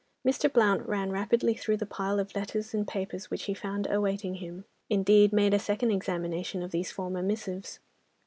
Mr. Blount ran rapidly through the pile of letters and papers which he found awaiting him; indeed, made a second examination of these former missives.